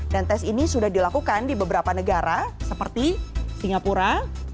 dan tes ini sudah dilakukan di beberapa negara seperti singapura